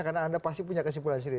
karena anda pasti punya kesimpulan sendiri